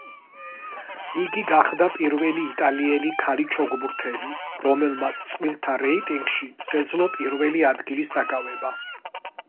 იგი გახდა პირველი იტალიელი ქალი ჩოგბურთელი, რომელმაც წყვილთა რეიტინგში შეძლო პირველი ადგილის დაკავება.